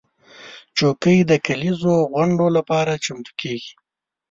چوکۍ د کليزو غونډو لپاره چمتو کېږي.